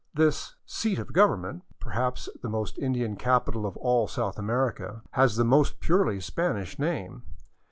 '* This " seat of Government," perhaps the most Indian capital of all South America, has the most purely Spanish name.